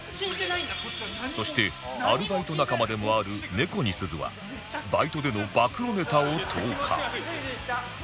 そしてアルバイト仲間でもあるネコニスズはバイトでの暴露ネタを投下